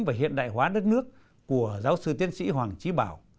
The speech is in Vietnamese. và hiện đại hóa đất nước của giáo sư tiến sĩ hoàng trí bảo